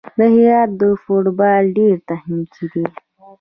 د هرات فوټبال ډېر تخنیکي دی.